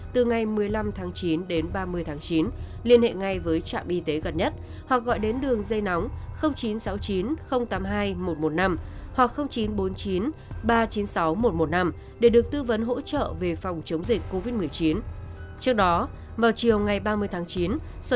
từ ngày một mươi năm tháng chín đến ba mươi tháng chín liên hệ ngay với trạm y tế gần nhất hoặc gọi đến đường dây nóng chín trăm sáu mươi chín tám mươi hai một trăm một mươi năm hoặc chín trăm bốn mươi chín ba trăm chín mươi sáu một trăm một mươi năm để được tư vấn hỗ trợ về phòng chống dịch covid một mươi chín